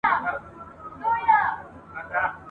په اوبو کي خپلو پښو ته په کتلو ..